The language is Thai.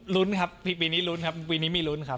ลุ้นครับปีนี้ลุ้นครับปีนี้มีลุ้นครับ